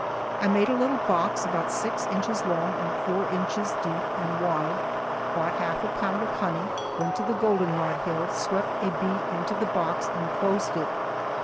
I made a little box about six inches long and four inches deep and wide; bought half a pound of honey, went to the goldenrod hill, swept a bee into the box and closed it.